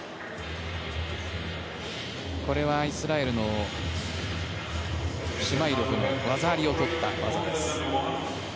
これはイスラエルのシュマイロフの技ありを取った技です。